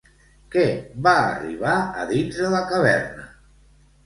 Què va arribar a dins de la caverna?